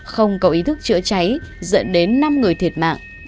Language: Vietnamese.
không có ý thức chữa cháy dẫn đến năm người thiệt mạng